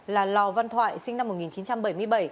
là lò văn thoại sinh năm một nghìn chín trăm bảy mươi bảy